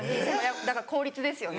だから効率ですよね。